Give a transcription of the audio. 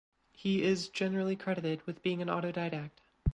He is generally credited with being an autodidact.